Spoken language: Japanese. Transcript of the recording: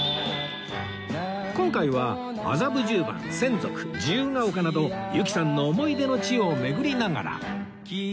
今回は麻布十番洗足自由が丘など由紀さんの思い出の地を巡りながら